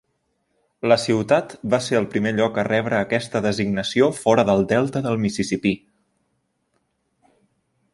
La ciutat va ser el primer lloc a rebre aquesta designació fora del Delta del Mississipí.